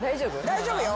大丈夫よ。